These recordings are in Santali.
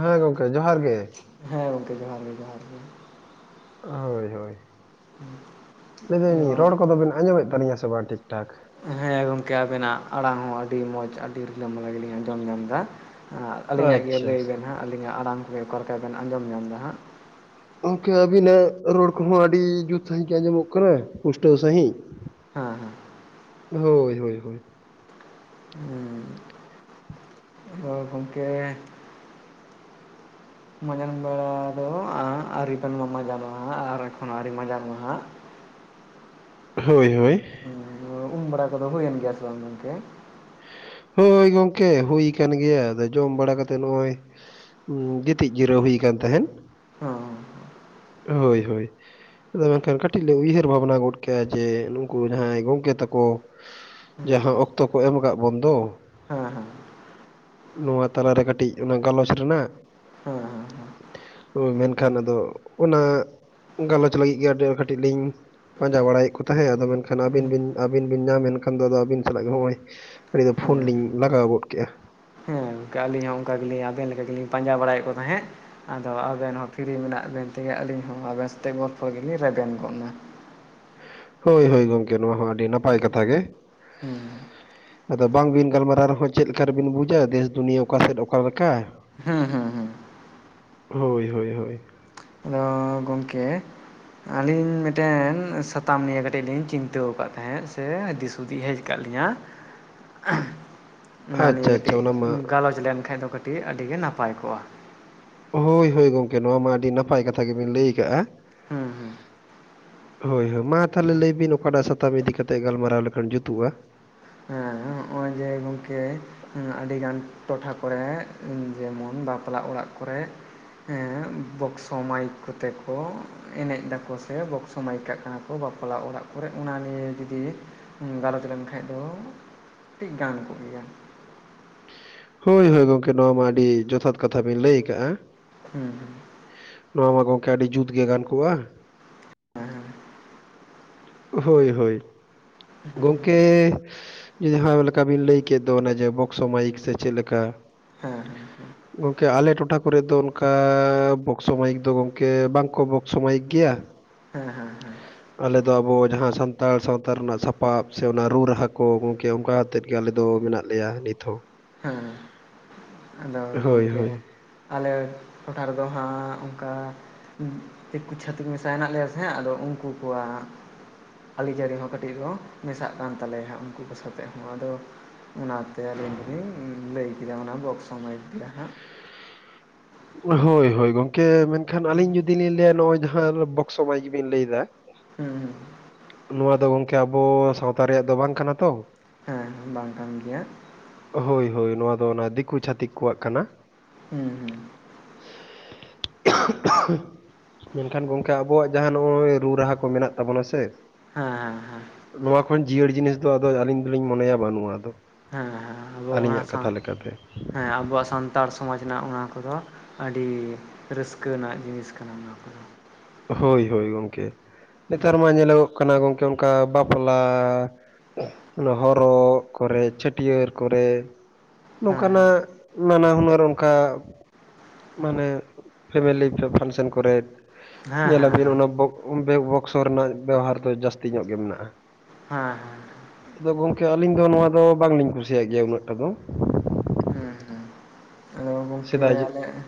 ᱦᱳᱭ ᱜᱚᱝᱠᱮ ᱡᱚᱦᱟᱨ ᱜᱮ᱾ ᱦᱮᱸ ᱜᱚᱝᱠᱮ ᱡᱚᱦᱟᱨ ᱜᱮ ᱡᱚᱦᱟᱨ ᱜᱮ᱾ ᱦᱳᱭ ᱦᱳᱭ, ᱞᱟᱹᱭ ᱫᱟᱹᱞᱤᱧ ᱟᱫᱚ ᱨᱚᱲ ᱠᱚᱫᱚᱵᱤᱱ ᱟᱸᱡᱚᱢᱮᱫ ᱛᱟᱹᱞᱤᱧᱟ ᱥᱮ ᱵᱟᱝ ᱴᱷᱤᱠᱴᱷᱟᱠ? ᱦᱮᱸ ᱜᱚᱝᱠᱮ ᱟᱵᱮᱱᱟᱜ ᱟᱲᱟᱝ ᱦᱚᱸ ᱟᱹᱰᱤ ᱢᱚᱡᱽ ᱟᱹᱰᱤ ᱨᱤᱞᱟᱹᱢᱟᱞᱟ ᱜᱮᱞᱤᱧ ᱟᱸᱡᱚᱢ ᱧᱟᱢ ᱫᱟ᱾ ᱟᱸᱜ ᱟᱹᱞᱤᱧᱟᱜ ᱜᱮ ᱟᱪᱪᱷᱟ ᱞᱟᱹᱭ ᱵᱮᱱ ᱦᱟᱸᱜ ᱟᱹᱞᱤᱧᱟᱜ ᱟᱲᱟᱝ ᱠᱚᱜᱮ ᱚᱠᱟ ᱞᱮᱠᱟ ᱵᱮᱱ ᱟᱸᱡᱚᱢ ᱧᱟᱢ ᱫᱟ ᱦᱟᱸᱜ? ᱜᱚᱝᱠᱮ ᱟᱵᱤᱱᱟ ᱨᱚᱲ ᱠᱚᱦᱚᱸ ᱟᱹᱰᱤ ᱡᱩᱛ ᱥᱟᱦᱤᱡᱚ ᱜᱮ ᱟᱡᱚᱢᱚᱜ ᱠᱟᱱᱟ ᱯᱩᱥᱴᱟᱹᱣ ᱥᱟᱹᱦᱤᱡ᱾ ᱦᱮᱸ ᱦᱮᱸ᱾ ᱦᱳᱭ ᱦᱳᱭᱻᱦᱳᱭ᱾ ᱦᱳᱭ ᱜᱚᱝᱠᱮ᱾ ᱢᱟᱸᱡᱟᱱ ᱵᱮᱲᱟ ᱫᱚ ᱟᱹᱨᱤᱢ ᱠᱷᱟᱱ ᱵᱚᱱ ᱢᱟᱡᱟᱱ ᱱᱚᱜᱼᱟ, ᱟᱨ ᱮᱠᱷᱚᱱᱳ ᱟᱹᱣᱨᱤ ᱢᱟᱡᱟᱱ ᱱᱚᱜᱼᱟ ᱦᱟᱸᱜ ᱾ ᱦᱳᱭ ᱦᱳᱭ᱾ ᱩᱢ ᱵᱟᱨᱟ ᱠᱚᱫᱚ ᱦᱩᱭᱮᱱ ᱜᱮᱭᱟ ᱥᱮ ᱵᱟᱝ ᱜᱚᱝᱠᱮ? ᱦᱳᱭ ᱜᱚᱝᱠᱮ ᱦᱩᱭ ᱠᱟᱱ ᱜᱮᱭᱟ, ᱟᱫᱚ ᱡᱚᱢ ᱵᱟᱲᱟ ᱠᱟᱛᱮᱫ ᱱᱚᱜᱼᱚᱭ ᱜᱤᱛᱤᱡ ᱡᱤᱨᱟᱹᱣ ᱦᱩᱭ ᱠᱟᱱ ᱛᱟᱦᱮᱱ᱾ ᱦᱮᱸ ᱦᱮᱸ ᱦᱳᱭ ᱦᱳᱭ᱾ ᱟᱫᱚ ᱢᱮᱱᱠᱷᱟᱱ ᱠᱟᱹᱴᱤᱡ ᱞᱮ ᱩᱭᱦᱟᱹᱨ ᱵᱷᱟᱵᱽᱱᱟ ᱜᱚᱫ ᱠᱮᱼᱟ ᱡᱮ ᱱᱩᱠᱩ ᱡᱟᱦᱟᱸᱭ ᱜᱚᱝᱠᱮ ᱛᱟᱠᱚ ᱡᱟᱦᱟ ᱦᱮᱸ ᱚᱠᱛᱚ ᱠᱚ ᱮᱢ ᱠᱟᱜ ᱵᱚᱱ ᱫᱚ᱾ ᱦᱮᱸ ᱱᱚᱣᱟ ᱛᱟᱞᱟᱨᱮ ᱠᱟᱹᱴᱤᱡ ᱚᱱᱟ ᱜᱟᱞᱚᱪ ᱨᱮᱱᱟᱜ ᱦᱮᱸ ᱦᱮᱸ ᱦᱳᱭ ᱢᱮᱱᱠᱷᱟᱱ ᱟᱫᱚ ᱚᱱᱟ ᱜᱟᱞᱚᱪ ᱞᱟᱹᱜᱤᱫ ᱜᱮ ᱟᱰᱚ ᱠᱟᱹᱴᱤᱡ ᱞᱤᱧ ᱯᱟᱸᱡᱟ ᱵᱟᱲᱟᱭᱮᱫ ᱠᱚ ᱛᱟᱦᱮᱸᱫ ᱟᱫᱚ ᱢᱮᱱᱠᱷᱟᱱ ᱟᱹᱵᱤᱱ ᱵᱤᱱ ᱟᱹᱵᱤᱱ ᱵᱤᱱ ᱧᱟᱢ ᱮᱱᱠᱷᱟᱱ ᱫᱚ ᱟᱫᱚ ᱟᱹᱵᱤᱱ ᱥᱟᱞᱟᱜ ᱜᱮ ᱱᱚᱜᱼᱚᱭ ᱟᱹᱞᱤ ᱦᱚ ᱦᱮᱸ ᱯᱷᱳᱱ ᱞᱤᱧ ᱞᱟᱜᱟᱣ ᱜᱚᱫ ᱠᱮᱼᱟ᱾ ᱚᱝᱠᱟ ᱟᱹᱞᱤᱧ ᱦᱚᱸ ᱚᱱᱠᱟ ᱜᱮᱞᱤᱧ ᱵᱮᱱ ᱞᱮᱠᱟ ᱜᱮᱞᱤᱧ ᱯᱟᱸᱡᱟ ᱵᱟᱲᱟᱭᱮᱫ ᱠᱚ ᱛᱟᱦᱮᱸᱫ᱾ ᱟᱫᱚ ᱟᱵᱮᱱ ᱦᱚᱸ ᱯᱷᱤᱨᱤ ᱢᱮᱱᱟᱜ ᱵᱮᱱ ᱛᱮᱜᱮ ᱟᱹᱞᱤᱧ ᱦᱚᱸ ᱟᱵᱮᱱ ᱥᱟᱛᱮ ᱜᱚᱞᱯᱷᱚ ᱜᱮᱞᱤᱧ ᱨᱮᱵᱮᱱ ᱜᱚᱫ ᱱᱟ᱾ ᱦᱳᱭ ᱦᱳᱭ ᱜᱚᱝᱠᱮ ᱱᱚᱣᱟ ᱦᱚᱸ ᱟᱹᱰᱤ ᱱᱟᱯᱟᱭ ᱠᱟᱛᱷᱟ ᱜᱮ᱾ ᱦᱩᱸ ᱻ ᱟᱫᱚ ᱵᱟᱝ ᱵᱤᱱ ᱜᱟᱞᱢᱟᱨᱟᱣ ᱨᱮᱦᱚᱸ ᱪᱮᱫ ᱞᱮᱠᱟ ᱨᱮᱵᱤᱱ ᱵᱩᱡᱟ ᱫᱮᱥ ᱫᱩᱱᱤᱭᱟᱹ ᱚᱠᱟᱥᱮᱫ ᱚᱠᱟᱞ ᱞᱮᱠᱟ ᱦᱩᱸ ᱦᱩᱸ ᱦᱩᱸ ᱦᱳᱭ ᱦᱳᱭ ᱦᱳᱭ [unintelligible] ᱜᱚᱝᱠᱮ ᱟᱹᱞᱤᱧ ᱢᱤᱮᱴᱮᱱ ᱥᱟᱛᱟᱢ ᱱᱤᱭᱮ ᱠᱟᱹᱴᱤᱡ ᱞᱤᱧ ᱪᱤᱱᱛᱟᱹᱣ ᱟᱠᱟᱫ ᱛᱟᱦᱮᱸᱫ ᱥᱮ ᱫᱤᱥᱦᱩᱫᱤ ᱦᱮᱡ ᱠᱟᱜ ᱞᱤᱧᱟ᱾ ᱚᱱᱟ ᱱᱤᱭᱮ ᱟᱪᱪᱷᱟ ᱠᱟᱹᱴᱤᱡ ᱟᱪᱪᱷᱟ ᱚᱱᱟ ᱢᱟ ᱜᱟᱞᱚᱪ ᱞᱮᱱᱠᱟᱱᱡ ᱫᱚ ᱠᱟᱹᱴᱤᱡ ᱟᱹᱰᱤᱜᱮ ᱱᱟᱯᱟᱭ ᱠᱚᱜᱼᱟ᱾ ᱦᱳᱭ ᱦᱳᱭ ᱜᱚᱝᱠᱮ ᱱᱚᱣᱟ ᱢᱟ ᱟᱹᱰᱤ ᱱᱟᱯᱟᱭ ᱠᱟᱛᱷᱟ ᱜᱮᱵᱤᱱ ᱞᱟᱹᱭ ᱟᱠᱟᱜᱼᱟ᱾ ᱦᱩᱸ ᱦᱩᱸ ᱦᱳᱭ ᱦᱳᱭ ᱢᱟ ᱛᱟᱦᱞᱮ ᱞᱟᱹᱭ ᱵᱤᱱ ᱚᱠᱟᱴᱟᱜ ᱥᱟᱛᱟᱢ ᱤᱫᱤ ᱠᱟᱛᱮ ᱜᱟᱞᱢᱟᱨᱟᱣ ᱞᱮᱠᱷᱟᱱ ᱡᱩᱛᱩᱜᱼᱟ? ᱦᱮᱸ ᱚᱭ ᱡᱮ ᱜᱚᱝᱠᱮ ᱟᱹᱰᱤᱜᱟᱱ ᱴᱚᱴᱷᱟ ᱠᱚᱨᱮ ᱡᱮᱢᱚᱱ ᱵᱟᱯᱞᱟ ᱚᱲᱟᱜ ᱠᱚᱨᱮ ᱦᱮᱸ, ᱵᱚᱠᱥᱚ ᱢᱟᱭᱤᱠ ᱠᱚᱛᱮ ᱠᱚ ᱮᱱᱮᱡ ᱮᱫᱟ ᱠᱚ ᱥᱮ ᱥᱚ ᱢᱟᱭᱤᱠ ᱠᱟᱜ ᱠᱟᱱᱟ ᱠᱚ ᱵᱟᱯᱞᱟ ᱚᱲᱟᱜ ᱠᱚᱨᱮ ᱚᱱᱟ ᱱᱤᱭᱮ ᱡᱚᱫᱤ ᱜᱟᱞᱚᱪ ᱞᱮᱱ ᱠᱷᱟᱡ ᱫᱚ ᱴᱤᱡ ᱜᱟᱱ ᱠᱚᱜ ᱜᱮᱭᱟ ᱦᱳᱣ ᱦᱳᱣ ᱜᱚᱝᱠᱮ ᱱᱚᱣᱟ ᱢᱟ ᱟᱹᱰᱤ ᱡᱚᱛᱷᱟᱛ ᱠᱟᱛᱷᱟ ᱵᱤᱱ ᱞᱟᱹᱭ ᱟᱠᱟᱼᱟ᱾ ᱦᱩᱸ ᱦᱩᱸ ᱱᱚᱣᱟ ᱢᱟ ᱜᱚᱝᱠᱮ ᱟᱹᱰᱤ ᱡᱩᱛ ᱜᱮ ᱜᱟᱱ ᱠᱚᱜᱼᱟ᱾ ᱦᱮᱸ ᱦᱳᱣ ᱦᱳᱣ, ᱜᱚᱝᱠᱮ ᱡᱟᱦᱟ ᱞᱮᱠᱟ ᱵᱤᱱ ᱞᱟᱹᱭ ᱠᱮᱫ ᱫᱚ ᱚᱱᱮ‌ ᱡᱮ ᱵᱚᱠᱥᱚ ᱢᱟᱭᱤᱠ ᱥᱮ ᱪᱮᱫ‌ ᱞᱮᱠᱟ‍᱾ [inaudible] ᱜᱚᱝᱠᱮ ᱟᱞᱮ ᱴᱚᱴᱷᱟ ᱠᱚᱨᱮ ᱫᱚ ᱚᱱᱠᱟ ᱵᱚᱠᱥᱚ ᱢᱟᱭᱤᱠ ᱫᱚ ᱜᱚᱝᱠᱮ ᱵᱟᱝᱠᱚ ᱵᱚᱠᱥᱚ ᱢᱟᱭᱤᱠ ᱜᱮᱭᱟ, ᱦᱮᱸ ᱦᱮᱸ ᱦᱮᱸ ᱟᱞᱮ ᱫᱚ ᱟᱵᱚ ᱡᱟᱦᱟᱸ ᱥᱟᱱᱛᱟᱲ ᱥᱟᱶᱛᱟ ᱨᱮᱱᱟᱜ ᱥᱟᱯᱟᱵ ᱥᱮ ᱚᱱᱟ ᱨᱩ ᱨᱟᱦᱟ ᱠᱚ ᱜᱚᱝᱠᱮ ᱚᱝᱠᱟ ᱟᱛᱮᱫ ᱜᱮ ᱟᱞᱮ ᱫᱚ ᱢᱮᱱᱟᱜ ᱞᱮᱭᱟ ᱱᱤᱛ ᱦᱚᱸ᱾ ᱦᱮᱸ ᱟᱫᱚ ᱦᱳᱣ ᱜᱚᱝᱠᱮ ᱦᱳᱣ, ᱟᱞᱮ ᱴᱚᱴᱷᱟ ᱨᱮᱫᱚ ᱦᱟᱸᱜ ᱚᱝᱠᱟ ᱫᱤᱠᱩ ᱪᱷᱟᱹᱛᱤᱠ ᱢᱮᱥᱟ ᱦᱮᱱᱟᱜ ᱞᱮᱭᱟ ᱥᱮ ᱟᱫᱚ ᱩᱝᱠᱩ ᱠᱚᱣᱟᱜ ᱟᱹᱨᱤᱪᱟᱹᱞᱤ ᱦᱚᱸ ᱠᱟᱹᱴᱤᱡ ᱫᱚ ᱢᱮᱥᱟᱜ ᱠᱟᱱ ᱛᱟᱞᱮᱭᱟ ᱦᱟᱸᱜ ᱩᱱᱠᱩ ᱠᱚ ᱥᱟᱛᱮᱜ ᱦᱚᱸ ᱟᱫᱚ ᱚᱱᱟᱛᱮ ᱟᱹᱞᱤᱧ ᱫᱚᱞᱤᱧ ᱞᱟᱹᱭ ᱠᱮᱫᱟ ᱚᱱᱟ ᱵᱚᱠᱥ‌ᱚ ᱢᱟᱹᱭᱤᱠ ᱜᱮ ᱦᱟᱸᱜ ᱦᱳᱣ ᱦᱳᱣ, ᱜᱚᱝᱠᱮ ᱢᱮᱱᱠᱷᱟᱱ ᱟᱹᱞᱤᱧ ᱡᱩᱫᱤ ᱞᱤᱧ ᱞᱟᱹᱭᱟ ᱱᱚᱣᱟ ᱡᱟᱦᱟᱸ ᱵᱚᱠᱥᱚ ᱢᱟᱭᱤᱠ ᱵᱤᱱ ᱞᱟᱹᱭ ᱮᱫᱟ, ᱦᱩᱸ ᱦᱩᱸ ᱱᱚᱣᱟ ᱫᱚ ᱜᱚᱝᱠᱮ ᱟᱵᱚ ᱥᱟᱶᱛᱟ ᱨᱮᱭᱟᱜ ᱫᱚ ᱵᱟᱝ ᱠᱟᱱᱟ ᱛᱚ᱾ ᱵᱟᱝ ᱠᱟᱱ ᱜᱮᱭᱟ᱾ ᱦᱳᱣ ᱦᱳᱣ, ᱱᱚᱣᱟ ᱫᱚ ᱚᱱᱟ ᱫᱤᱠᱩ ᱪᱷᱟᱹᱛᱤᱠ ᱠᱚᱣᱟᱜ ᱠᱟᱱᱟ᱾ ᱦᱩᱸ ᱦᱩᱸ, [unintelligible] [unintelligible] ᱢᱮᱱᱠᱷᱟᱱ ᱜᱚᱝᱠᱮ ᱟᱵᱚᱣᱟᱜ ᱡᱟᱦᱟᱸ ᱱᱚᱜᱼᱚᱭ ᱨᱩ ᱨᱟᱦᱟ ᱠᱚ ᱢᱮᱱᱟᱜ ᱛᱟᱵᱚᱱᱟ ᱥᱮ ᱦᱮᱸ ᱦᱮᱸ ᱦᱮᱸ, ᱱᱚᱣᱟ ᱠᱷᱚᱱ ᱡᱤᱭᱟᱹᱲ ᱡᱤᱱᱤᱥ ᱫᱚ ᱟᱫᱚ ᱟᱹᱞᱤᱧ ᱫᱚᱞᱤᱧ ᱢᱚᱱᱮᱭᱟ ᱵᱟᱹᱱᱩᱜᱼᱟ ᱟᱫᱚ ᱦᱮᱸ ᱦᱮᱸ ᱟᱵᱚ ᱚᱱᱟ ᱟᱹᱞᱤᱧᱟᱜ ᱥᱟᱶ ᱠᱟᱛᱷᱟ ᱞᱮᱠᱟ ᱛᱮ᱾ ᱦᱮᱸ ᱟᱵᱚᱣᱟᱜ ᱥᱟᱱᱛᱟᱲ ᱥᱚᱢᱟᱡᱽ ᱨᱮᱱᱟᱜ ᱚᱱᱟ ᱠᱚᱫᱚ ᱟᱹᱰᱤ ᱨᱟᱹᱥᱠᱟᱹ ᱱᱟᱜ ᱡᱤᱱᱤᱥ ᱠᱟᱱᱟ ᱱᱚᱣᱟ ᱠᱚᱫᱚ᱾ ᱦᱳᱭ ᱦᱳᱭ, ᱜᱚᱝᱠᱮ ᱦᱮᱸ ᱱᱮᱛᱟᱨ ᱢᱟ ᱧᱮᱞᱚᱜᱚᱜ ᱠᱟᱱᱟ ᱜᱚᱝᱠᱮ ᱚᱝᱠᱟ ᱵᱟᱯᱞᱟ ᱦᱚᱨᱚᱜ ᱠᱚᱨᱮ, ᱪᱷᱟᱹᱴᱭᱟᱹᱨ ᱠᱚᱨᱮ, ᱦᱮᱸ ᱱᱚᱝᱠᱟ ᱦᱮᱸ ᱱᱟᱜ ᱱᱟᱱᱟ ᱦᱩᱱᱟᱹᱨ ᱚᱱᱠᱟ ᱢᱟᱱᱮ ᱯᱷᱮᱢᱮᱞᱤ ᱯᱷᱟᱱᱥᱮᱱ ᱠᱚᱨᱮᱫ ᱧᱮᱞ ᱦᱮᱸ ᱟᱹᱵᱤᱱ ᱦᱮᱸ ᱚᱱᱟ ᱵᱚᱠᱥ ᱨᱮᱱᱟᱜ ᱵᱮᱵᱚᱦᱟᱨ ᱫᱚ ᱡᱟᱹᱥᱛᱤ ᱧᱚᱜ ᱜᱮ ᱢᱮᱱᱟᱜᱼᱟ᱾ ᱦᱮᱸ ᱦᱮᱸ ᱟᱫᱚ ᱜᱚᱝᱠᱮ, ᱟᱹᱞᱤᱧ ᱫᱚ ᱱᱚᱣᱟ ᱫᱚ ᱵᱟᱝᱞᱤᱧ ᱠᱩᱥᱤᱭᱟᱜ ᱜᱮᱭᱟ ᱩᱱᱟᱹᱜ ᱴᱟ ᱫᱚ, ᱦᱮᱸ ᱦᱸ [unintelligible] ᱟᱫᱚ ᱜᱚᱝᱠᱮ ᱥᱮᱫᱟᱭ ᱟᱞᱮ ᱫᱚ‌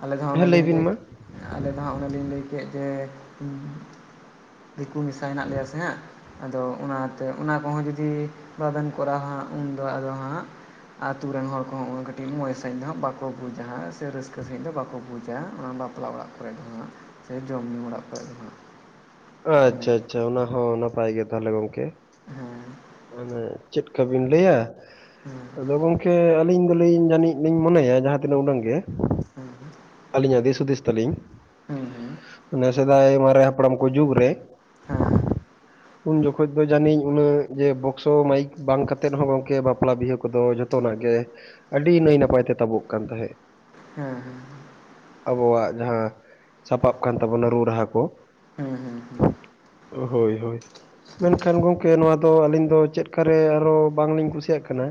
[unintelligible] ᱟᱞᱮ ᱦᱮᱸ ᱞᱟᱹᱭ ᱵᱤᱱ ᱢᱟ ᱫᱚ ᱚᱱᱮᱞᱤᱧ ᱞᱟᱹᱭ ᱠᱮᱫ ᱡᱮ, ᱫᱤᱠᱩ ᱢᱮᱥᱟ ᱢᱮᱥᱟᱜ ᱞᱮᱭᱟ ᱥᱮ [unintelligible] ᱟᱫᱚ ᱚᱱᱟᱛᱮ ᱚᱱᱟ ᱠᱚᱦᱚᱸ ᱡᱚᱫᱤ ᱵᱟᱵᱮᱱ ᱠᱚᱨᱟᱣᱟ, ᱩᱱᱫᱚ ᱟᱫᱚ [unintelligible] ᱟᱛᱩ ᱨᱮᱱ ᱦᱚᱲ ᱠᱚᱦᱚᱸ ᱩᱱᱟᱹᱜ ᱠᱟᱹᱴᱤᱡ ᱢᱚᱡᱽ ᱥᱟᱺᱦᱤᱡ ᱫᱚ ᱵᱟᱠᱚᱼᱼ ᱵᱩᱡᱟ ᱥᱮ ᱨᱟᱹᱥᱠᱟᱹ ᱥᱟᱺᱦᱤᱡ ᱫᱚ ᱵᱟᱠᱚ ᱵᱩᱡᱟ, ᱚᱱᱟ ᱵᱟᱯᱞᱟ ᱚᱲᱟᱜ ᱠᱚᱨᱮ ᱫᱚ ᱦᱟᱸᱜ᱾ ᱥᱮ ᱡᱚᱢᱼ ᱧᱩᱩ ᱚᱲᱟᱜ ᱠᱚᱨᱮ ᱫᱚ ᱦᱟᱸᱜ [unintelligible] ᱚᱱᱮ ᱟᱪᱪᱷᱟ ᱟᱪᱪᱷᱟ, ᱚᱱᱠᱟ ᱚᱱᱟ ᱦᱚᱸ ᱱᱟᱯᱟᱭ ᱜᱮ ᱛᱟᱦᱚᱞᱮ ᱜᱚᱝᱠᱮ ᱦᱮᱸ [unintelligible] ᱪᱮᱫ ᱠᱟ ᱵᱮᱱ ᱞᱟᱹᱭᱟ? ᱦᱮᱸ ᱟᱫᱚ ᱜᱚᱝᱠᱮ ᱟᱹᱞᱤᱧ ᱫᱚᱞᱤᱧ ᱡᱟᱹᱱᱤᱡ ᱞᱤᱧ ᱢᱚᱱᱮᱭᱟ ᱡᱟᱦᱟᱸ ᱛᱤᱱᱟᱹᱜ ᱩᱰᱟᱹᱝ ᱜᱮ, ᱦᱮᱸᱸ [unintelligible] ᱟᱹᱞᱤᱧᱟᱜ ᱫᱤᱥ ᱦᱩᱫᱤᱥ ᱛᱟᱹᱞᱤᱧᱼᱼ ᱦᱮᱸ ᱦᱮᱸ [unintelligible] ᱦᱟᱱᱮ ᱥᱮᱫᱟᱭ ᱢᱟᱨᱮ ᱦᱟᱯᱲᱟᱢ ᱠᱚ ᱡᱩᱜᱽ ᱨᱮᱼᱼ ᱩᱱ ᱡᱚᱠᱷᱚᱡ ᱫᱚ ᱡᱟᱹᱱᱤᱡ ᱩᱱᱟᱹ ᱡᱮ ᱵᱚᱠᱥᱚ ᱢᱟᱭᱤᱠ ᱵᱟᱝ ᱠᱟᱛᱮᱫ ᱨᱮᱦᱚᱸ ᱜᱚᱝᱠᱮ, ᱵᱟᱯᱞᱟ ᱵᱤᱦᱟᱹ ᱠᱚᱫᱚ ᱡᱷᱚᱛᱚ ᱱᱟᱜ ᱜᱮᱼᱼ ᱟᱹᱰᱤ ᱱᱟᱹᱭ ᱱᱟᱯᱟᱭ ᱛᱮ ᱛᱟᱵᱚᱜ ᱠᱟᱱ ᱛᱟᱦᱮᱸᱜ᱾ ᱦᱮᱸ ᱟᱵᱚᱣᱟᱜ ᱡᱟᱸᱦᱟ, ᱥᱟᱯᱟᱵ ᱠᱟᱱ ᱛᱟᱵᱚᱱᱟ ᱨᱩ ᱨᱟᱹᱦᱟ ᱠᱚᱼᱼ ᱦᱮᱸ ᱦᱮᱸ ᱦᱳᱭ ᱦᱳᱭ ᱢᱮᱱ ᱠᱷᱟᱱ ᱜᱚᱝᱠᱮ ᱱᱚᱣᱟᱼᱼ ᱫᱚ ᱟᱹᱞᱤᱧ ᱫᱚ ᱪᱮᱫ ᱠᱟᱨᱮ ᱟᱨ ᱦᱚᱸ ᱵᱟᱝ ᱞᱤᱧ ᱠᱩᱥᱤᱭ ᱟᱜ ᱠᱟᱱᱟ,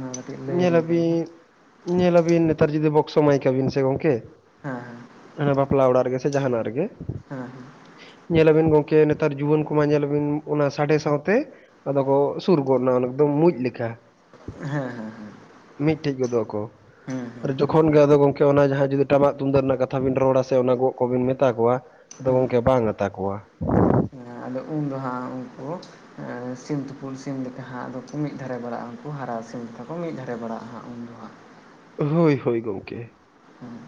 ᱢᱟ [unintelligible] ᱠᱟᱹᱴᱤᱡ ᱞᱟᱹᱭ ᱟᱹᱞᱤᱧ ᱵᱤᱱ ᱦᱟᱸᱜ ᱧᱮᱞ ᱟᱵᱤᱱ ᱱᱮᱛᱟᱨ ᱡᱩᱫᱤ ᱵᱚᱠᱥᱚ ᱢᱟᱭᱤᱠ ᱟᱵᱤᱱ ᱥᱮ ᱜᱚᱝᱠᱮ, ᱦᱮᱸ ᱵᱟᱯᱞᱟ ᱚᱲᱟᱜ ᱨᱮ ᱜᱮ ᱥᱮ ᱡᱟᱦᱟ ᱱᱟᱜ ᱨᱮ ᱜᱮᱼᱼ ᱦᱮᱸᱦᱮᱸ [unintelligible] ᱧᱮᱞ ᱟᱵᱤᱱ ᱜᱚᱝᱠᱮ ᱱᱮᱛᱟᱨ ᱡᱩᱣᱟᱹᱱ ᱠᱚᱢᱟ ᱧᱮᱞ ᱟᱵᱤᱱ ᱚᱱᱟᱼᱼ ᱥᱟᱸᱰᱮ ᱥᱟᱶ ᱛᱮ, ᱟᱫᱚ ᱠᱚ ᱥᱩᱨ ᱜᱚᱫ ᱱᱟ ᱮᱠᱫᱚᱢ ᱢᱩᱸᱡ ᱞᱮᱠᱟ᱾ ᱦᱮᱸ ᱦᱮᱸ ᱦᱮᱸ ᱢᱤᱫ ᱴᱷᱮᱡ ᱜᱚᱫᱚᱜ ᱟᱠᱚ ᱦᱮᱸ ᱦᱮᱸ ᱟᱨ ᱦᱮᱸ ᱦᱮᱸ ᱡᱚᱠᱷᱚᱱ ᱜᱮ ᱟᱫᱚ ᱜᱚᱝᱠᱮ ᱚᱱᱟ ᱡᱟᱦᱟ ᱡᱩᱫᱤ ᱴᱟᱢᱟᱠ ᱛᱩᱢᱫᱟᱜ ᱨᱮᱱᱟᱜ ᱠᱟᱛᱷᱟ ᱵᱤᱱ ᱨᱚᱲᱟ ᱥᱮ ᱚᱱᱟ ᱜᱚᱸᱜ ᱠᱚ ᱵᱤᱱ ᱢᱮᱛᱟ ᱠᱚᱣᱟᱼᱼ ᱟᱫᱚ ᱦᱮᱸ ᱜᱚᱝᱠᱮ ᱵᱟᱝ ᱟᱛᱟ ᱠᱚᱣᱟ᱾ ᱟᱫᱚ ᱩᱱ ᱫᱚ ᱦᱟᱸᱜ ᱩᱱᱠᱩ [unintelligible] ᱥᱤᱢ ᱛᱩᱯᱩᱫ ᱥᱤᱢ ᱞᱮᱠᱟ ᱦᱟᱸᱜ ᱟᱫᱚ ᱠᱚ ᱢᱤᱫ ᱫᱷᱟᱨᱮ ᱵᱟᱲᱟᱜᱼᱟ, ᱩᱱᱠᱩ ᱦᱟᱨᱟᱣ ᱥᱤᱢ ᱞᱮᱠᱟ ᱠᱚ ᱢᱤᱫ ᱫᱷᱟᱨᱮ ᱵᱟᱲᱟᱜᱼᱟ ᱦᱟᱸᱜ ᱩᱱ ᱫᱚ ᱦᱟᱸᱜ᱾ ᱦᱳᱭ ᱦᱳᱭ ᱜᱚᱝᱠᱮ ᱦᱮᱸ [unintelligible]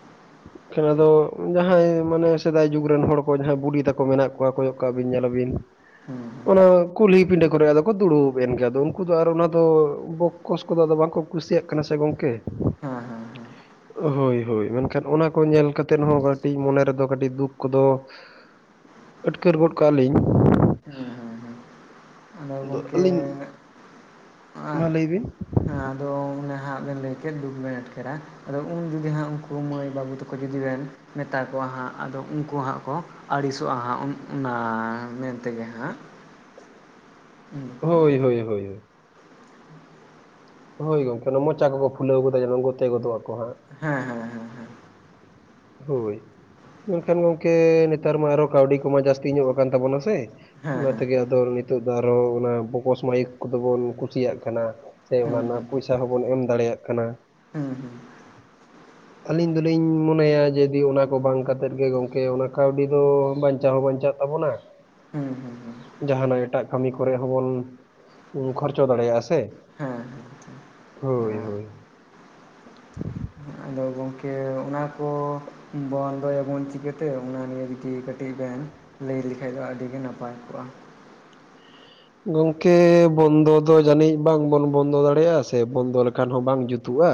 ᱟᱫᱚ, ᱡᱟᱸᱦᱟᱭ ᱢᱟᱱᱮ ᱥᱮᱫᱟᱭ ᱡᱩᱜᱽ ᱨᱮᱱ ᱦᱚᱲ ᱠᱚ ᱡᱟᱸᱦᱟᱭ ᱵᱩᱰᱤ ᱛᱟᱠᱚ ᱢᱮᱱᱟᱜ ᱠᱚᱣᱟ ᱠᱚᱭᱼᱼ ᱚᱱᱠᱟ ᱵᱤᱱ ᱧᱮᱞ ᱟᱵᱤᱱᱼᱼ ᱦᱮᱸ ᱚᱱᱟ ᱠᱩᱞᱦᱤ ᱯᱤᱸᱰᱟᱹ ᱠᱚᱨᱮ ᱟᱫᱚ ᱠᱚ ᱫᱩᱲᱩᱵ ᱮᱱ ᱜᱮ, ᱟᱫᱚ ᱩᱱᱠᱩ ᱫᱚ ᱟᱨ ᱚᱱᱟ ᱫᱚᱼᱼ ᱠᱚᱥ ᱫᱚ ᱟᱫᱚ ᱵᱟᱝ ᱠᱚ ᱠᱩᱥᱤᱭ ᱟᱜ ᱠᱟᱱᱟ ᱥᱮ ᱜᱚᱝᱠᱮ᱾ ᱦᱮᱸ ᱦᱮᱸ ᱦᱳᱭ ᱦᱳᱭ [unintelligible] ᱮᱱ ᱠᱷᱟᱱ ᱚᱱᱟ ᱠᱚ ᱧᱮᱞ ᱠᱟᱛᱮᱫ ᱦᱚᱸ ᱠᱟᱹᱴᱤᱡ ᱢᱚᱱᱮ ᱨᱮ ᱫᱚ ᱠᱟᱹᱴᱤᱡ ᱫᱩᱠ ᱠᱚ ᱫᱚ ᱟᱹᱴᱠᱟᱹᱨ ᱜᱚᱫ ᱠᱟᱜᱼᱟ ᱞᱤᱧ ᱦᱮᱸ ᱦᱮᱸ ᱦᱮᱸ ᱦᱮᱸ ᱦᱮᱸ ᱟᱫᱚ ᱫᱚ ᱜᱚᱢᱠᱮ ᱟᱹᱞᱤᱧ, ᱟᱸ ᱢᱟ ᱞᱟᱹᱭ ᱵᱤᱱ ᱟᱫᱚ ᱢᱟᱱᱮ ᱦᱟᱸᱜᱼᱼ ᱦᱟᱸᱜ ᱵᱮᱱ ᱞᱟᱹᱭ ᱠᱮᱫ [unintelligible] ᱫᱩᱠ ᱵᱮᱱ ᱮᱴᱠᱟᱨᱟ ᱟᱫᱚ ᱩᱱ ᱡᱩᱫᱤ ᱦᱟᱸᱜ ᱩᱱᱠᱩ ᱢᱟᱹᱭ ᱵᱟᱹᱵᱩ ᱛᱟᱠᱚ ᱡᱩᱫᱤ ᱵᱮᱱᱼᱼ ᱢᱮᱛᱟ ᱠᱚᱣᱟ ᱦᱟᱸᱜ ᱟᱫᱚ ᱩᱱᱠᱩ ᱦᱟᱸᱜ ᱠᱚ ᱟᱹᱲᱤᱥᱚᱜᱼᱟ ᱦᱟᱸᱜ ᱚᱱᱟ ᱢᱮᱱ ᱛᱮᱜᱮ ᱦᱟᱸᱜ᱾ ᱩᱱᱠᱩ ᱦᱳᱭ ᱦᱳᱭ ᱦᱳᱭ ᱦᱳᱭ ᱦᱳᱭ ᱜᱚᱝᱠᱮ ᱢᱚᱪᱟ ᱠᱚ ᱯᱷᱩᱞ ᱜᱚᱫᱟ ᱜᱷᱛᱮ ᱜᱚᱫᱚ ᱟᱠᱚ ᱦᱟᱜ ᱦᱮᱸ ᱦᱮᱸ ᱦᱮᱸ ᱦᱮᱸ ᱦᱳᱭ ᱢᱮᱱ ᱠᱷᱟᱱ ᱜᱚᱝᱠᱮ ᱱᱮᱛᱟᱨ ᱢᱟ ᱟᱨ ᱦᱚᱸ ᱠᱟᱹᱣᱰᱤ ᱠᱚᱢᱟ ᱡᱟᱹᱥᱛᱤ ᱧᱚᱜ ᱟᱠᱟᱱ ᱛᱟᱵᱚᱱᱟ ᱥᱮ ᱦᱮᱸ ᱚᱱᱟ ᱦᱮᱸ ᱛᱮᱜᱮ ᱟᱫᱚ ᱱᱤᱛᱚᱜ ᱫᱚ ᱟᱨᱦᱚᱸ ᱚᱱᱟ ᱵᱚᱠᱥ ᱢᱟᱭᱤᱠ ᱠᱚᱫᱚ ᱵᱚᱱ ᱠᱩᱥᱤᱭᱟᱜ ᱠᱟᱱᱟ᱾ ᱥᱮ ᱦᱮᱸ ᱚᱱᱟ ᱨᱮᱱᱟᱜ ᱯᱩᱭᱥᱟᱹ ᱦᱚᱸᱵᱚᱱ ᱮᱢ ᱫᱟᱲᱮᱭᱟᱜ ᱠᱟᱱᱟ᱾ ᱦᱮᱸ ᱦᱮᱸ ᱟᱹᱞᱤᱧ ᱫᱚ ᱞᱤᱧ ᱢᱚᱱᱮᱭᱟ ᱡᱩᱫᱤ ᱚᱱᱟ ᱠᱚ ᱵᱟᱝ ᱠᱟᱛᱮᱫ ᱜᱮ ᱜᱚᱝᱠᱮ ᱚᱱᱟ ᱠᱟᱹᱣᱰᱤ ᱫᱚ ᱵᱟᱧ ᱪᱟᱣ ᱦᱚᱸ ᱵᱟᱧ ᱪᱟᱜ ᱛᱟᱵᱚᱱᱟ ᱦᱩᱸ ᱦᱩᱸ ᱦᱩᱸ ᱡᱟᱦᱟ ᱱᱟᱜ ᱮᱴᱟᱜ ᱠᱟᱹᱢᱤ ᱠᱚᱨᱮ ᱦᱚᱸᱵᱚᱱ ᱠᱷᱚᱨᱪᱟ ᱫᱟᱲᱮᱭᱟᱜᱼᱟ ᱥᱮ᱾ ᱦᱮᱸ ᱦᱳᱭ ᱦᱳᱭ ᱟᱫᱚ ᱜᱚᱝᱠᱮ ᱚᱱᱟ ᱠᱚ ᱵᱚᱱᱫᱚᱭᱟ ᱵᱚᱱ ᱪᱤᱠᱟᱹ ᱛᱮ ᱚᱱᱟ ᱱᱤᱭᱮ ᱡᱩᱫᱤ ᱠᱟᱹᱴᱤᱡ ᱵᱮᱱ ᱞᱟᱹᱭ ᱞᱮ ᱠᱷᱟᱡ ᱫᱚ ᱟᱹᱰᱤ ᱜᱮ ᱱᱟᱯᱟᱭ ᱠᱚᱜᱼᱟ? ᱜᱚᱝᱠᱮ ᱵᱚᱱᱫᱚ ᱫᱚ ᱡᱟᱹᱱᱤᱡ ᱵᱟᱝ ᱵᱚᱱ ᱵᱚᱱᱫᱚ ᱫᱟᱲᱮᱭᱟᱜᱼᱟ ᱥᱮ ᱵᱚᱱᱫᱚ ᱞᱮᱠᱷᱟᱱ ᱦᱚᱸ ᱵᱟᱝ ᱡᱩᱛᱩᱜᱼᱟ᱾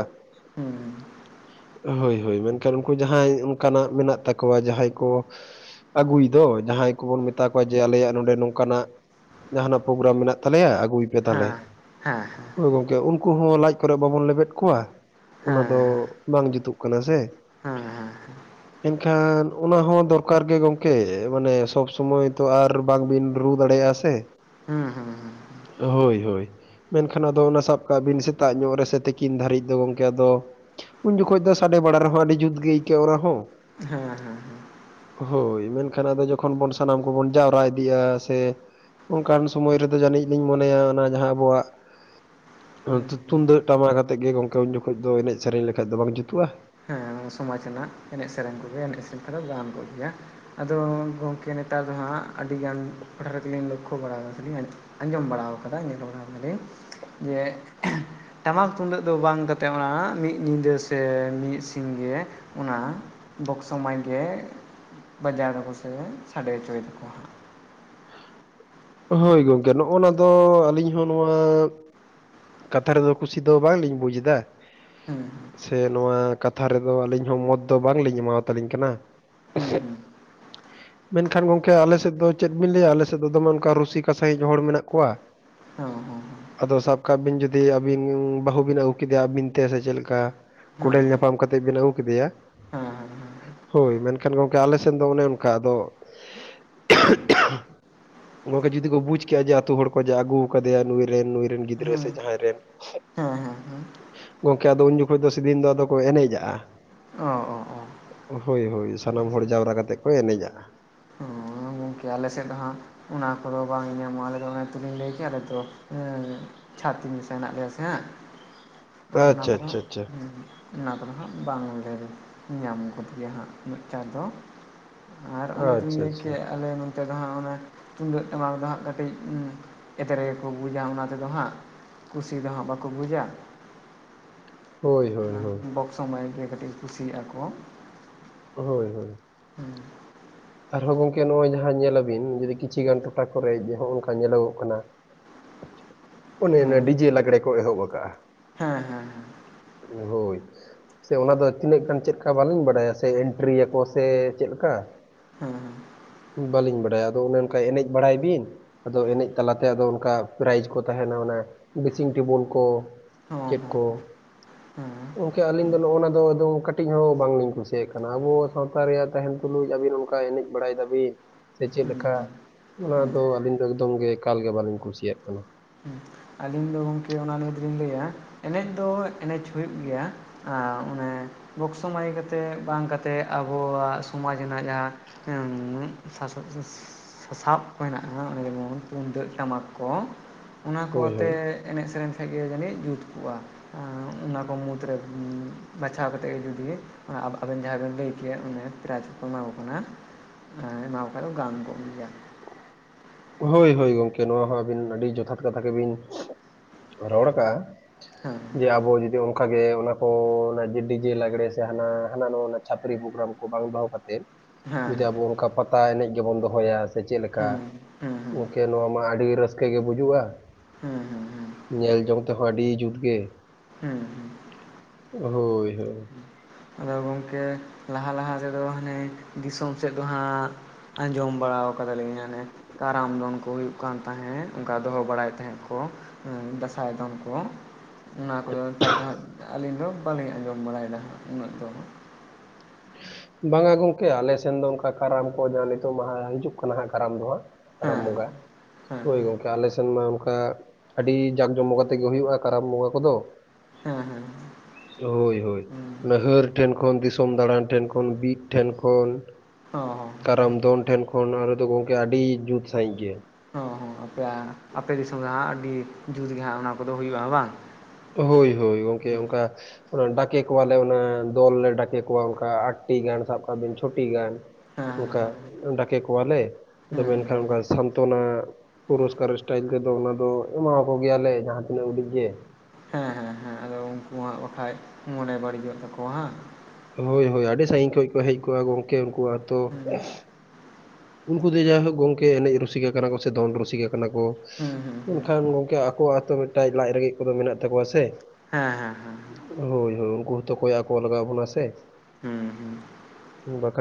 ᱦᱩᱸ ᱦᱳᱭ ᱦᱳᱭ ᱢᱮᱱᱠᱷᱟᱱ ᱩᱱᱠᱩ ᱡᱟᱦᱟᱸᱭ ᱚᱱᱠᱟᱱᱟᱜ ᱢᱮᱱᱟᱜ ᱛᱟᱠᱚᱣᱟ ᱡᱟᱦᱟᱸᱭ ᱠᱚ ᱟᱜᱩᱭ ᱫᱚ ᱡᱟᱦᱟᱸᱭ ᱠᱚᱵᱚᱱ ᱢᱮᱛᱟ ᱠᱚᱣᱟ ᱡᱮ ᱟᱞᱮᱭᱟᱜ ᱱᱚᱰᱮ ᱱᱚᱝᱠᱟᱱᱟᱜ ᱼᱼ ᱡᱟᱦᱟᱸᱱᱟᱜ ᱯᱨᱳᱜᱨᱟᱢ ᱢᱮᱱᱟᱜ ᱛᱟᱞᱮᱭᱟ ᱟᱜᱩᱭ ᱯᱮ ᱛᱟᱦᱞᱮ᱾ ᱦᱮᱸ ᱦᱮᱸ ᱦᱮᱸ ᱦᱳᱭ ᱜᱚᱝᱠᱮ ᱩᱱᱠᱩ ᱦᱚᱸ ᱞᱟᱡ ᱠᱚᱨᱮ ᱵᱟᱵᱚᱱ ᱞᱮᱵᱮᱫ ᱠᱚᱣᱟ ᱚᱱᱟ ᱦᱮᱸ ᱫᱚ ᱵᱟᱝ ᱡᱩᱛᱩᱜ ᱠᱟᱱᱟ ᱥᱮ᱾ [unintelligible] ᱮᱱᱠᱷᱟᱱ ᱚᱱᱟ ᱦᱚᱸ ᱫᱚᱨᱠᱟᱨ ᱜᱮ ᱜᱚᱝᱠᱮ ᱢᱟᱱᱮ ᱥᱚᱵ ᱥᱚᱢᱚᱭ ᱛᱚ ᱟᱨ ᱼᱼ ᱵᱟᱝ ᱵᱤᱱ ᱨᱩ ᱫᱟᱲᱮᱭᱟᱜᱼᱟ ᱥᱮ᱾ ᱦᱩᱸᱦᱩᱸ ᱦᱳᱭ ᱦᱳᱭ ᱢᱮᱱᱠᱷᱟᱱ ᱟᱫᱚ ᱚᱱᱟ ᱥᱟᱵ ᱠᱟᱜ ᱵᱤᱱ ᱥᱮᱛᱟᱜ ᱧᱚᱜ ᱨᱮ ᱥᱮ ᱛᱤᱠᱤᱱ ᱫᱷᱟᱨᱤᱡ ᱫᱚ ᱜᱚᱝᱠᱮ ᱟᱫᱚ ᱼᱼ ᱩᱱ ᱡᱚᱠᱷᱚᱡ ᱫᱚ ᱥᱟᱰᱮ ᱵᱟᱲᱟ ᱨᱮᱦᱚᱸ ᱟᱹᱰᱤ ᱡᱩᱛ ᱜᱮ ᱟᱹᱭᱠᱟᱹᱜᱼᱟ ᱚᱱᱟ ᱦᱚᱸ᱾ ᱦᱮᱸ ᱦᱮᱸ ᱦᱮᱸ ᱦᱳᱭ ᱢᱮᱱᱠᱷᱟᱱ ᱟᱫᱚ ᱡᱚᱠᱷᱚᱱ ᱵᱚᱱ ᱥᱟᱱᱟᱢ ᱠᱚᱵᱚᱱ ᱡᱟᱣᱨᱟ ᱤᱫᱤᱜᱼᱟ ᱥᱮ ᱼᱼ ᱚᱱᱠᱟᱱ ᱥᱚᱢᱚᱭ ᱨᱮᱫᱚ ᱡᱟᱹᱱᱤᱡ ᱞᱤᱧ ᱢᱚᱱᱮᱭᱟ ᱚᱱᱟ ᱡᱟᱦᱟᱸ ᱟᱵᱚᱣᱟᱜ ᱼᱼ ᱦᱮᱸ ᱦᱮᱸ ᱛᱩᱢᱫᱟᱹᱜ ᱴᱟᱢᱟᱠ ᱟᱛᱮᱜ ᱜᱮ ᱜᱚᱝᱠᱮ ᱩᱱ ᱡᱚᱠᱷᱚᱡ ᱫᱚ ᱮᱱᱮᱡ ᱥᱮᱨᱮᱧ ᱞᱮᱠᱷᱟᱡ ᱫᱚ ᱵᱟᱝ ᱡᱩᱛᱩᱜᱼᱟ? ᱦᱮᱸ ᱥᱚᱢᱟᱡᱽ ᱨᱮᱱᱟᱜ ᱮᱱᱮᱡ ᱥᱮᱨᱮᱧ ᱠᱚᱜᱮ ᱮᱱᱮᱡ ᱥᱮᱨᱮᱧ [inaudible] ᱜᱟᱱ ᱠᱚᱜ ᱜᱮᱭᱟ᱾ ᱟᱫᱚ ᱜᱚᱝᱠᱮ ᱱᱮᱛᱟᱨ ᱫᱚ ᱦᱟᱸᱜ ᱟᱰᱤᱜᱟᱱ [inaudible] ᱜᱮᱞᱤᱧ ᱞᱚᱠᱠᱷᱚ ᱵᱟᱲᱟᱣ [inaudible] ᱟᱸᱡᱚᱢ ᱵᱟᱲᱟ ᱠᱟᱫᱟᱧ ᱧᱮᱞ ᱵᱟᱲᱟ ᱠᱟᱫᱟ ᱞᱤᱧ ᱡᱮ ᱴᱟᱢᱟᱠ ᱛᱩᱢᱫᱟᱹᱜ ᱫᱚ ᱵᱟᱝ ᱠᱟᱛᱮᱫ ᱚᱱᱟ ᱢᱤᱫ ᱧᱤᱫᱟᱹ ᱥᱮ ᱢᱤᱫ ᱥᱤᱧ ᱜᱮ ᱚᱱᱟ ᱵᱚᱠᱥᱚ ᱢᱟᱭᱤᱠ ᱜᱮ ᱼᱼ ᱵᱟᱡᱟᱣ ᱫᱟᱠᱚ ᱥᱮ ᱥᱟᱰᱮ ᱦᱚᱪᱚᱭ ᱫᱟᱠᱚ᱾ ᱦᱳᱭ ᱜᱚᱝᱠᱮ ᱱᱚᱜ-ᱚᱱᱟ ᱫᱚ ᱟᱹᱞᱤᱧ ᱦᱚᱸ ᱱᱚᱣᱟ ᱼᱼ ᱠᱟᱛᱷᱟ ᱨᱮᱫᱚ ᱠᱩᱥᱤ ᱫᱚ ᱵᱟᱝᱞᱤᱧ ᱵᱩᱡ ᱮᱫᱟ᱾ [inaudible] ᱥᱮ ᱱᱚᱣᱟ ᱠᱟᱛᱷᱟ ᱨᱮᱫᱚ ᱟᱞᱤᱧ ᱦᱚᱸ ᱢᱚᱛ ᱫᱚ ᱵᱟᱝᱞᱤᱧ ᱮᱢᱟᱣ-ᱟ ᱛᱟᱞᱤᱧ ᱠᱟᱱᱟ᱾ ᱦᱩᱸ ᱦᱩᱸ ᱢᱮᱱᱠᱷᱟᱱ ᱜᱚᱝᱠᱮ ᱟᱞᱮ ᱥᱮᱫ ᱫᱚ ᱪᱮᱫ ᱵᱤᱱ ᱞᱟᱹᱭᱟ ᱟᱞᱮ ᱥᱮᱫ ᱫᱚᱢᱮ ᱚᱱᱠᱟ ᱨᱩᱥᱤᱠᱟ ᱥᱟᱸᱦᱤᱡ ᱦᱚᱲ ᱢᱮᱱᱟᱜ ᱠᱚᱣᱟ᱾ [unintelligible] ᱟᱫᱚ ᱥᱟᱵ ᱠᱟᱜ ᱵᱤᱱ ᱡᱩᱫᱤ ᱟᱵᱤᱱ ᱵᱟᱦᱩ ᱵᱤᱱ ᱟᱜᱩ ᱠᱮᱫᱮᱭᱟ ᱟᱵᱤᱱ ᱛᱮ ᱥᱮ ᱪᱮᱫ ᱞᱮᱠᱟ ᱦᱩᱸ ᱠᱚᱸᱰᱮᱞ ᱧᱟᱯᱟᱢ ᱠᱟᱛᱮᱫ ᱵᱤᱱ ᱟᱜᱩ ᱠᱮᱫᱮᱭᱟ, [unintelligible] ᱦᱳᱭ ᱢᱮᱱᱠᱷᱟᱱ ᱜᱚᱝᱠᱮ ᱟᱞᱮ ᱥᱮᱱ ᱫᱚ ᱚᱱᱮ ᱚᱱᱠᱟ ᱟᱫᱚ [unintelligible] ᱜᱚᱝᱠᱮ ᱡᱩᱫᱤ ᱠᱚ ᱵᱩᱡ ᱠᱮᱭᱟ ᱡᱮ ᱟᱛᱩ ᱦᱚᱲ ᱠᱚ ᱟᱜᱩ ᱠᱟᱫᱮᱭᱟ ᱱᱩᱭᱨᱮᱱ ᱱᱩᱭ ᱨᱮᱱ ᱜᱤᱫᱼᱼ ᱜᱤᱫᱽᱨᱟᱹ ᱥᱮ ᱦᱮᱸ ᱡᱟᱦᱟᱸᱭ ᱨᱮᱱ ᱦᱮᱸ ᱦᱮᱸ ᱦᱮᱸ ᱦᱮᱸ ᱦᱮᱸ ᱦᱮᱸ ᱦᱮᱸ ᱦᱮᱸ ᱦᱮᱸ ᱜᱚᱝᱠᱮ ᱟᱫᱚ ᱩᱱ ᱡᱚᱠᱷᱚ ᱫᱚ ᱥᱮᱫᱤᱱ ᱫᱚ ᱟᱫᱚ ᱠᱚ ᱮᱱᱮ ᱡᱟᱜᱼᱟ ᱚ ᱚ ᱚ ᱦᱳᱭ ᱦᱳᱭ ᱥᱟᱱᱟᱢ ᱦᱚᱲ ᱡᱟᱣᱨᱟ ᱠᱟᱛᱮᱜ ᱠᱚ ᱮᱱᱮᱡᱟᱜᱼᱟ ᱦᱚᱸ ᱜᱚᱝᱠᱮ ᱟᱞᱮ ᱥᱮᱫ ᱫᱚ ᱦᱟᱸᱜ ᱚᱱᱟ ᱠᱚᱫᱚ ᱵᱟᱝ ᱧᱟᱢᱚᱜᱼᱟ ᱟᱞᱮ ᱚᱱᱟ ᱛᱮᱞᱤᱧ ᱞᱟᱹᱭ ᱠᱮᱭᱟ ᱟᱞᱮ ᱛᱚ ᱪᱷᱟᱛᱤᱠ ᱢᱮᱥᱟ ᱦᱮᱱᱟᱜ ᱞᱮᱭᱟ ᱥᱮ ᱦᱟᱸᱜ ᱟᱫᱚ ᱚᱱᱟ ᱟᱪᱪᱷᱟ ᱠᱚᱫᱚ ᱟᱪᱪᱷᱟ ᱟᱪᱪᱷᱟ ᱦᱟᱸᱜ ᱚᱱᱟ ᱠᱚᱫᱚ ᱦᱟᱸᱜ ᱵᱟᱝᱞᱮ ᱧᱟᱢ ᱜᱚᱫᱽ ᱜᱮᱭᱟ ᱦᱟᱸᱜ ᱩᱱᱟ. ᱜ ᱪᱟᱲ ᱫᱚ ᱟᱨ ᱚᱱᱮᱛᱩᱧ ᱟᱪᱪᱷᱟ ᱞᱟᱹᱭ ᱟᱪᱪᱷᱟ ᱠᱮᱫ ᱟᱞᱮ ᱱᱚᱱᱚᱛᱮ ᱫᱚ ᱦᱟᱸᱜ ᱚᱱᱮ ᱛᱩᱢᱫᱟᱹᱜ ᱴᱟᱢᱟᱠ ᱫᱚ ᱦᱟᱸᱜ ᱠᱟᱴᱤᱡ ᱮᱫᱽᱨᱮ ᱜᱮ ᱠᱚ ᱵᱩᱡᱟ ᱚᱱᱟ ᱛᱮᱫᱚ ᱦᱟᱸᱜ ᱠᱩᱥᱤ ᱫᱚ ᱦᱟᱸᱜ ᱵᱟᱠᱚ ᱵᱩᱡᱟ ᱦᱳᱭ ᱦᱳᱭ ᱦᱳᱭ ᱵᱚᱠᱥᱚ ᱢᱟᱭᱤᱠ ᱜᱮ ᱠᱟᱴᱤᱡ ᱠᱩᱥᱤᱭᱟᱜᱼᱟ ᱠᱚ ᱦᱳᱭ ᱦᱳᱭ ᱦᱮᱸ ᱟᱨᱦᱚᱸ ᱜᱚᱝᱠᱮ ᱱᱚᱜᱼᱚᱭ ᱡᱟᱦᱟᱸ ᱧᱮᱞᱟ ᱵᱤᱱ ᱡᱩᱫᱤ ᱠᱤᱪᱷᱤ ᱜᱟᱱ ᱴᱚᱴᱷᱟ ᱠᱚᱨᱮ ᱦᱚᱸᱜ ᱚᱝᱠᱟ ᱧᱮᱞᱚᱜᱚᱜ ᱠᱟᱱᱟ ᱚᱱᱮ ᱚᱱᱟ ᱰᱤᱡᱮ ᱞᱟᱜᱽᱲᱮ ᱠᱚ ᱮᱦᱚᱵ ᱠᱟᱜᱼᱟ ᱦᱮᱸ ᱦᱮᱸ ᱦᱮᱸ ᱦᱳᱭ ᱥᱮ ᱚᱱᱟᱫᱚ ᱛᱤᱱᱟᱹᱜ ᱜᱟᱱ ᱪᱮᱫ ᱞᱮᱠᱟ ᱵᱟᱹᱞᱤᱧ ᱵᱟᱰᱟᱭᱟ ᱥᱮ ᱮᱱᱴᱨᱤᱭᱟᱠᱚ ᱥᱮ ᱪᱮᱫ ᱞᱮᱠᱟ ᱦᱮᱸ ᱦᱮᱸ ᱵᱟᱹᱞᱤᱧ ᱵᱟᱲᱟᱭᱟ ᱟᱫᱚ ᱚᱱᱮ ᱚᱱᱠᱟ ᱮᱱᱮᱡ ᱵᱟᱲᱟᱭ ᱵᱤᱱ ᱟᱫᱚ ᱮᱱᱮᱡ ᱛᱟᱞᱟᱛᱮ ᱟᱫᱚ ᱚᱱᱠᱟ ᱯᱨᱟᱭᱤᱡᱽ ᱠᱚ ᱛᱟᱦᱮᱸᱱᱟ ᱚᱱᱟ ᱰᱮᱥᱤᱝ ᱴᱮᱵᱩᱞ ᱠᱚ ᱪᱮᱫ ᱠᱚ ᱦᱩᱸ ᱜᱚᱝᱠᱮ ᱟᱞᱤᱧ ᱫᱚ ᱱᱚᱜᱼᱚᱱᱟ ᱫᱚ ᱠᱟᱹᱴᱤᱡ ᱦᱚᱸ ᱵᱟᱝᱞᱤᱧ ᱠᱩᱥᱤᱭᱟᱜ ᱠᱟᱱᱟ ᱟᱵᱚ ᱥᱟᱶᱛᱟ ᱨᱮᱭᱟᱜ ᱛᱟᱦᱮᱸᱱ ᱛᱩᱞᱩᱡ ᱟᱵᱤᱱ ᱠᱟ ᱮᱱᱮᱡ ᱵᱟᱲᱟᱭ ᱫᱟᱵᱤᱱ ᱥᱮ ᱪᱮᱫ ᱦᱩᱸ ᱞᱮᱠᱟ ᱦᱩᱸ ᱚᱱᱟ ᱦᱩᱸ ᱫᱚ ᱟᱹᱞᱤᱧ ᱫᱚ ᱮᱠᱫᱚᱢ ᱜᱮ ᱮᱠᱟᱞ ᱜᱮ ᱵᱟᱹᱞᱤᱧ ᱠᱩᱥᱤᱭᱟᱜ ᱠᱟᱱᱟ ᱦᱩᱸ ᱟᱹᱞᱤᱧ ᱫᱚ ᱜᱚᱝᱠᱮ ᱚᱱᱟ ᱱᱤᱭᱮ ᱫᱚᱞᱤᱧ ᱞᱟᱹᱭᱟ ᱮᱱᱮᱡ ᱫᱚ ᱮᱱᱮᱡ ᱦᱩᱭᱩᱜ ᱜᱮᱭᱟ ᱟᱸᱻ ᱚᱱᱮ ᱵᱚᱠᱥᱚ ᱢᱟᱹᱭᱠ ᱟᱛᱮ ᱵᱟᱝ ᱠᱟᱛᱮᱫ ᱟᱵᱚᱣᱟᱜ ᱥᱚᱢᱟᱡᱽ ᱨᱮᱱᱟᱜ ᱡᱟᱦᱟᱸ [unintelligible] ᱥᱟᱵ ᱦᱮᱱᱟᱜᱼᱟ ᱚᱱᱮ ᱡᱮᱢᱚᱱ ᱛᱩᱢᱫᱟᱹᱜ ᱴᱟᱢᱟᱠ ᱠᱚ ᱚᱱᱟ ᱠᱚ ᱦᱳᱭ ᱟᱛᱮ ᱦᱳᱭ ᱮᱱᱮᱡ ᱥᱮᱨᱮᱧ ᱠᱷᱟᱡ ᱜᱮ ᱡᱟᱹᱱᱤᱡ ᱡᱩᱛ ᱠᱚᱜᱼᱟ ᱚᱱᱟ ᱠᱚ ᱢᱩᱫᱽᱨᱮ ᱵᱟᱪᱷᱟᱣ ᱠᱟᱛᱮᱜ ᱜᱮ ᱡᱩᱫᱤ ᱟᱵᱮᱱ ᱡᱟᱦᱟᱸ ᱵᱮᱱ ᱞᱟᱹᱭ ᱠᱮᱜ ᱚᱱᱮ ᱯᱨᱟᱭᱤᱡᱽ ᱠᱚ ᱠᱚ ᱮᱢᱟ ᱠᱚ ᱠᱟᱱᱟ ᱮᱢᱟ ᱠᱚ ᱠᱷᱟᱱ ᱫᱚ ᱜᱟᱱ ᱠᱚ ᱜᱮᱭᱟ ᱦᱳᱭ ᱦᱳᱭ ᱜᱳᱝᱠᱮ ᱱᱚᱣᱟ ᱦᱚᱸ ᱟᱹᱵᱤᱱ ᱟᱹᱰᱤ ᱡᱚᱛᱷᱟᱛ ᱠᱟᱛᱷᱟ ᱜᱮᱵᱤᱱ ᱨᱚᱲ ᱟᱠᱜᱼᱟ [unintelligible] [unintelligible] ᱡᱮ ᱟᱵᱚ ᱡᱩᱫᱤ ᱚᱱᱠᱟᱜᱮ ᱚᱱᱟ ᱠᱚ ᱚᱱᱟ ᱡᱮ ᱰᱤᱡᱮ ᱞᱟᱜᱽᱲᱮ ᱥᱮ ᱦᱟᱱᱟ ᱦᱟᱱᱟ ᱱᱚᱣᱟ ᱪᱷᱟᱯᱲᱤ ᱯᱨᱳᱜᱽᱨᱟᱢ ᱠᱚ ᱵᱟᱝ ᱫᱚᱦᱚ ᱠᱟᱛᱮᱫ ᱦᱮᱸ ᱡᱩᱫᱤ ᱟᱵᱚ ᱦᱮᱸ ᱚᱱᱠᱟ ᱯᱟᱛᱟ ᱮᱱᱮᱡ ᱜᱮᱵᱚᱱ ᱫᱚᱦᱚᱭᱟ ᱥᱮ ᱪᱮᱜ ᱞᱮᱠᱟ ᱦᱩᱸ ᱦᱩᱸ ᱦᱩᱸ ᱠᱮ ᱱᱚᱣᱟ ᱢᱟ ᱟᱹᱰᱤ ᱨᱟᱹᱥᱠᱟᱹ ᱜᱮ ᱵᱩᱡᱩᱜᱼᱟ ᱦᱩᱸ ᱦᱩᱸ ᱦᱩᱸ ᱧᱮᱞ ᱡᱚᱝ ᱛᱮᱦᱚᱸ ᱟᱹᱰᱤ ᱡᱩᱛ ᱜᱮ ᱦᱩᱸ ᱦᱩᱸ ᱦᱳᱭ ᱦᱳᱭ ᱟᱫᱚ ᱜᱚᱝᱠᱮ ᱞᱟᱦᱟ ᱞᱟᱦᱟ ᱛᱮᱫᱚ ᱦᱟᱱᱮ ᱫᱤᱥᱚᱢ ᱥᱮᱫ ᱫᱚ ᱦᱟᱸᱜ ᱟᱸᱡᱚᱢ ᱵᱟᱲᱟᱣ ᱠᱟᱫᱟ ᱞᱤᱧ ᱦᱟᱱᱮ ᱠᱟᱨᱟᱢ ᱫᱚᱱ ᱠᱚ ᱦᱩᱭᱩᱜ ᱠᱟᱱ ᱛᱟᱦᱮᱸᱫ ᱚᱝᱠᱟ ᱫᱚ ᱵᱟᱲᱟᱭ ᱛᱟᱦᱮᱸᱫ ᱠᱚ ᱦᱩᱸ ᱫᱟᱸᱥᱟᱭ ᱫᱚᱱ ᱠᱚ ᱚᱱᱟ ᱠᱚᱫᱚ ᱱᱮᱛᱟᱨ ᱫᱚ ᱦᱟᱸᱜ ᱟᱹᱞᱤᱧ ᱫᱚ ᱵᱟᱹᱞᱤᱧ ᱟᱸᱡᱚᱢ ᱵᱟᱲᱟᱭ ᱫᱟ ᱦᱟᱸᱜ ᱩᱱᱟᱹᱜ ᱫᱚ ᱵᱟᱝᱟ ᱜᱚᱝᱠᱮ ᱟᱞᱮ ᱥᱮᱱ ᱫᱚ ᱚᱱᱠᱟ ᱠᱟᱨᱟᱢ ᱠᱚ ᱡᱟᱦᱟᱸ ᱱᱤᱛᱚᱜ ᱢᱟ ᱦᱟᱜ ᱦᱤᱡᱩᱜ ᱠᱟᱱᱟ ᱦᱟᱸᱜ ᱠᱟᱨᱟᱢ ᱫᱚ ᱦᱟᱸᱜ ᱠᱟᱨᱟᱢ ᱵᱚᱸᱜᱟ ᱦᱮᱸ ᱦᱳᱭ ᱜᱳᱝᱠᱮ ᱟᱞᱮᱥᱮᱱ ᱢᱟ ᱚᱱᱠᱟ ᱟᱹᱰᱤ ᱡᱟᱠ ᱡᱚᱢᱠ ᱟᱛᱮᱜᱮ ᱦᱩᱭᱩᱜᱼᱟ ᱠᱟᱨᱟᱢ ᱵᱚᱸᱜᱟ ᱠᱚᱫᱚ ᱦᱳᱸ ᱦᱳᱸ ᱦᱳᱭ ᱦᱳᱭ ᱚᱱᱟ ᱟᱹᱨ ᱴᱷᱮᱱ ᱠᱷᱚᱱ ᱫᱤᱥᱚᱢ ᱫᱟᱬᱟᱱ᱾ ᱴᱷᱮᱱ ᱠᱷᱚᱱ ᱵᱤᱫ ᱴᱷᱮᱱ ᱠᱷᱚᱱ᱾ ᱦᱚᱸ ᱦᱚᱸ ᱠᱟᱨᱟᱢ ᱫᱚᱱ ᱴᱷᱮᱱ ᱠᱷᱚᱱ ᱟᱞᱮ ᱫᱚ ᱜᱳᱝᱠᱮ ᱟᱹᱰᱤ ᱡᱩᱛ ᱥᱟᱺᱦᱤᱡ ᱜᱮ᱾ ᱦᱚᱸ ᱦᱚᱸ ᱟᱯᱮᱭᱟᱜ ᱟᱯᱮ ᱫᱤᱥᱚᱢ ᱫᱚ ᱦᱟᱸᱜ ᱟᱹᱰᱤ ᱡᱩᱛ ᱜᱮ ᱦᱟᱸᱜ ᱚᱱᱟ ᱠᱚᱫᱚ ᱦᱩᱭᱩᱜᱼᱟ ᱵᱟᱝ? ᱦᱩᱭ ᱦᱩᱭ ᱜᱳᱝᱠᱮ ᱦᱮᱸ ᱚᱱᱠᱟ ᱰᱟᱠᱮ ᱠᱚᱣᱟᱞᱮ ᱚᱱᱟ ᱫᱚᱞ ᱞᱮ ᱰᱟᱠᱮ ᱠᱚᱣᱟ ᱚᱱᱠᱟ ᱟᱴᱴᱤ ᱜᱟᱱ ᱥᱟᱵ ᱠᱟᱜ ᱵᱤᱱ ᱪᱷᱚᱴᱤ ᱜᱟᱱ᱾ ᱦᱮᱸ ᱦᱮᱸ ᱚᱱᱠᱟ ᱰᱟᱠᱮ ᱠᱚᱣᱟ ᱞᱮ ᱟᱫᱚ ᱦᱩᱸ ᱦᱩᱸ ᱢᱮᱱᱠᱷᱟᱱ ᱦᱩᱸ ᱚᱱᱠᱟ ᱥᱟᱱᱛᱚᱱᱟᱼᱼ ᱯᱩᱨᱚᱥᱠᱟᱨ ᱥᱴᱟᱭᱤᱞ ᱛᱮᱫᱚ ᱚᱱᱟ ᱫᱚ ᱮᱢᱟ ᱠᱚ ᱜᱮᱭᱟᱞᱮ ᱡᱟᱦᱟᱸ ᱛᱤᱱᱟᱹᱜ ᱩᱰᱤᱜ ᱜᱮ᱾ ᱦᱮᱸ ᱦᱮᱸ ᱦᱮᱸ ᱟᱫᱚ ᱩᱱᱠᱩ ᱦᱚᱸ ᱼᱼ ᱟᱨ ᱵᱟᱠᱷᱟᱡ ᱢᱚᱱᱮ ᱵᱟᱹᱲᱤᱡᱚᱜ ᱛᱟᱠᱚᱣᱟ ᱦᱟᱸ᱾ ᱦᱳᱭ ᱦᱳᱭ ᱟᱹᱰᱤ ᱥᱟᱺᱜᱤᱧ ᱠᱷᱚᱡ ᱠᱚ ᱦᱮᱡ ᱠᱚᱜᱼᱟ ᱜᱳᱝᱠᱮ ᱩᱱᱠᱩ ᱟᱛᱳᱼᱼ ᱦᱩᱸ ᱩᱱᱠᱩ ᱫᱚ ᱡᱟᱭᱦᱳᱠ ᱜᱚᱝᱠᱮ ᱮᱱᱮᱡ ᱨᱩᱥᱤᱠᱟ ᱠᱟᱱᱟ ᱠᱚ ᱥᱮ ᱫᱚᱱ ᱨᱩᱥᱤᱠᱟ ᱠᱟᱱᱟ ᱠᱚ᱾ ᱦᱩᱸ ᱦᱩᱸ ᱦᱩᱸ ᱢᱮᱱᱠᱷᱟᱱ ᱜᱚᱝᱠᱮ ᱟᱠᱚᱣᱟᱜ ᱦᱚᱛᱚ ᱢᱮᱫᱴᱟᱝ ᱞᱟᱡ ᱨᱮᱸᱜᱮᱡ ᱠᱚᱫᱚ ᱢᱮᱱᱟᱜ ᱛᱟᱠᱚᱣᱟ ᱥᱮ᱾ ᱦᱮᱸ ᱦᱮᱸ ᱦᱮᱸ ᱦᱳᱭ ᱦᱳᱭ ᱩᱱᱠᱩ ᱦᱚᱸᱛᱚ ᱠᱚᱭᱚᱜ ᱟᱠᱚ ᱞᱟᱜᱟᱣ ᱟᱵᱚᱱᱟ ᱥᱮ ᱦᱩᱸ ᱦᱩᱸ ᱵᱟᱠᱷᱟᱡ